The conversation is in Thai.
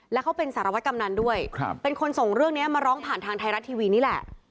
แล้วเขาเป็นสารวัตกำนันด้วยเป็นคนส่งเรื่องนี้มาร้องผ่านทางไทยรัฐทีวีนี่แหละ